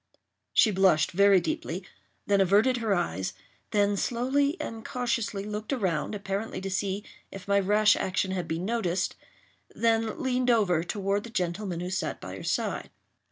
She blushed very deeply—then averted her eyes—then slowly and cautiously looked around, apparently to see if my rash action had been noticed—then leaned over toward the gentleman who sat by her side.